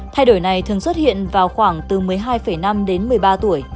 thay đổi này thường xuất hiện vào khoảng từ một mươi hai năm đến một mươi ba tuổi